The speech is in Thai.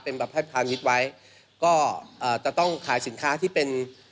เป็นแบบแพทย์พาณิชย์ไว้ก็เอ่อจะต้องขายสินค้าที่เป็น